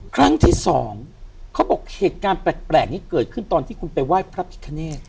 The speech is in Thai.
ครั้งที่สองเขาบอกเหตุการณ์แปลกนี้เกิดขึ้นตอนที่คุณไปไหว้พระพิคเนต